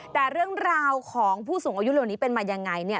แต่เรื่องราวของผู้สูงอายุเหล่านี้เป็นมายังไงเนี่ย